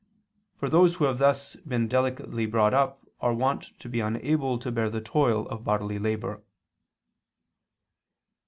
For those who have thus been delicately brought up are wont to be unable to bear the toil of bodily labor.